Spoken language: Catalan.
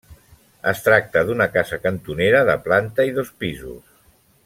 Es tracta d'una casa cantonera de planta i dos pisos.